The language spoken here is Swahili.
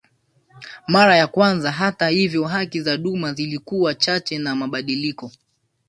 mara ya kwanza Hata hivyo haki za duma zilikuwa chache na mabadiliko